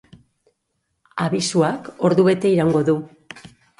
Abisuak ordubete iraungo du.